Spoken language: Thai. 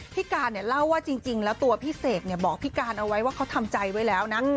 พี่การเนี่ยเล่าว่าจริงแล้วตัวพี่เสกบอกพี่การเอาไว้ว่าเขาทำใจไว้แล้วนะ